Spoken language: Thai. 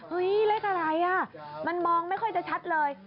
เห้ยเลขอะไรมันมองไม่ค่อยจะชัดเลย